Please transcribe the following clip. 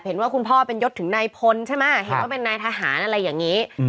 คุณพ่อเป็นยศถึงนายพลใช่ไหมเห็นว่าเป็นนายทหารอะไรอย่างนี้